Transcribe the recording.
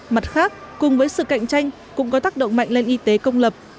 mặt khác cùng với sự cạnh tranh cũng có tác động mạnh lên y tế công lập